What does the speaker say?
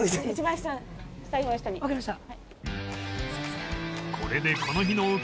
わかりました。